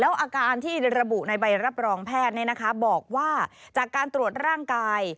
อาการที่ระบุในใบรับรองแพทย์บอกว่าจากการตรวจร่างกาย